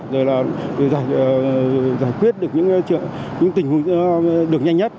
rồi là giải quyết được những tình huống được nhanh nhất